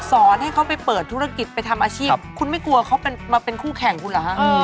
สอนให้เขาไปเปิดธุรกิจไปทำอาชีพคุณไม่กลัวเขามาเป็นคู่แข่งคุณเหรอฮะ